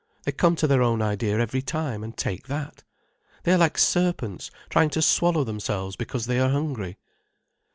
They come to their own idea every time, and take that. They are like serpents trying to swallow themselves because they are hungry."